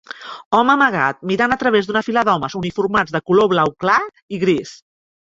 Home amagat mirant a través d'una fila d'homes uniformats de color blau clar i gris.